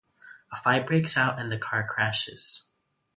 A fight breaks out and the car crashes.